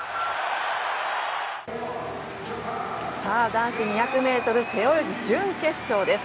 男子２００ｍ背泳ぎ準決勝です。